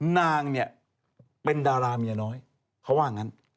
นางเนี่ยเป็นดาราเมียน้อยเขาว่างั้น